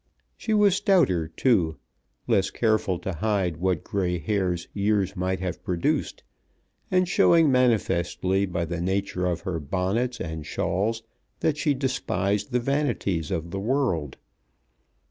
She was stouter, too, less careful to hide what grey hairs years might have produced, and showing manifestly by the nature of her bonnets and shawls that she despised the vanities of the world.